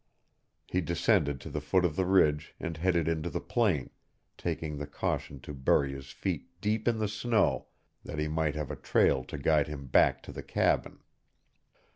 He descended to the foot of the ridge and headed into the plain, taking the caution to bury his feet deep in the snow that he might have a trail to guide him back to the cabin.